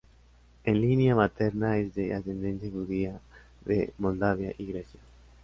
En línea materna es de ascendencia judía de Moldavia y Grecia.